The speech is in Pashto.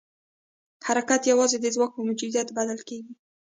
حرکت یوازې د ځواک په موجودیت کې بدل کېږي.